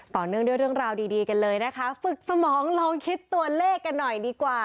เนื่องด้วยเรื่องราวดีดีกันเลยนะคะฝึกสมองลองคิดตัวเลขกันหน่อยดีกว่า